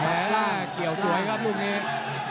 แม่ดดเกี่ยวสวยครับลูกเนส